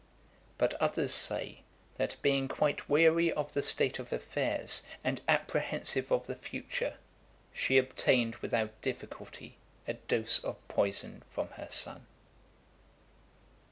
But others say, that being quite weary of the state of affairs, and apprehensive of the future, she obtained without difficulty a dose of poison from her son.